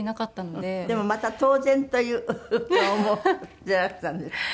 でもまた当然という顔もしていらしたんですって？